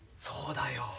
そうだよ。